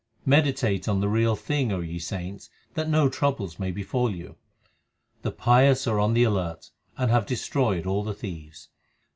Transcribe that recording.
Meditate on the Real Thing, O ye saints, that no troubles may befall you. The pious are on the alert, and have destroyed all the thieves.